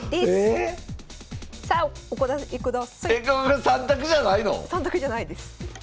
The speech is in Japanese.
えっこれ３択じゃないの⁉３択じゃないです。